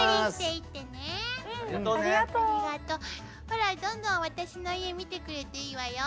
ほらどんどん私の家見てくれていいわよ。